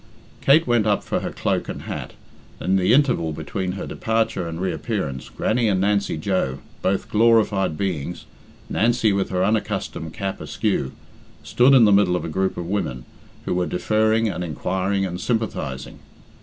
Kate went up for her cloak and hat, and in the interval between her departure and reappearance, Grannie and Nancy Joe, both glorified beings, Nancy with her unaccustomed cap askew, stood in the middle of a group of women, who were deferring, and inquiring, and sympathising.